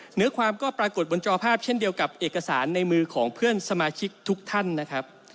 เหนือความก็ปรากฏบนจอภาพเช่นเดียวกับเอกสารในมือของเพื่อนสมาชิกทุกท่านนะครับ